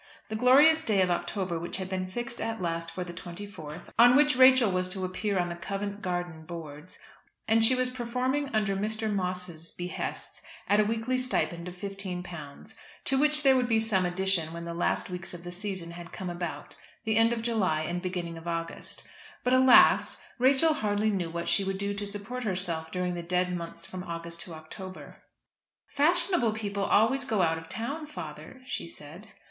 The glorious day of October, which had been fixed at last for the 24th, on which Rachel was to appear on the Covent Garden boards, was yet still distant, and she was performing under Mr. Moss's behests at a weekly stipend of £15, to which there would be some addition when the last weeks of the season had come about, the end of July and beginning of August. But, alas! Rachel hardly knew what she would do to support herself during the dead months from August to October. "Fashionable people always go out of town, father," she said.